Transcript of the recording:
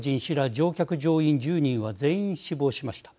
乗客乗員１０人は全員死亡しました。